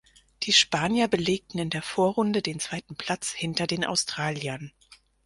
Die Spanier belegten in der Vorrunde den zweiten Platz hinter den Australiern.